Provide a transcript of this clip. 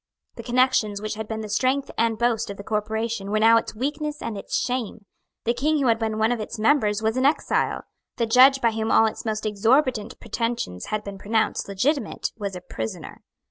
The connections which had been the strength and boast of the corporation were now its weakness and its shame. The King who had been one of its members was an exile. The judge by whom all its most exorbitant pretensions had been pronounced legitimate was a prisoner.